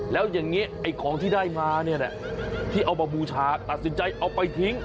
แล้วอย่างนี้ไอ้ของที่ได้มาเนี่ยนะที่เอามาบูชาตัดสินใจเอาไปทิ้ง